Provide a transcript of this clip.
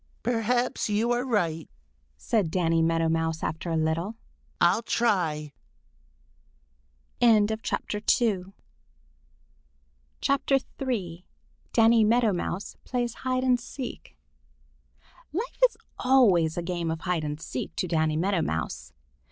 "Perhaps you are right," said Danny Meadow Mouse after a little. "I'll try." III DANNY MEADOW MOUSE PLAYS HIDE AND SEEK LIFE is always a game of hide and seek to Danny Meadow Mouse.